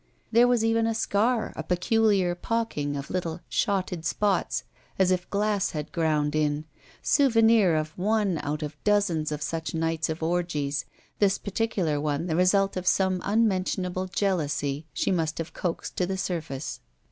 There was even a scar, a peculiar pocking of little shotted spots as if glass had ground in, souvenir of one out of dozens of such nights of orgies, this particular one the result of some tmmentionable jealousy she must have coaxed to the surface.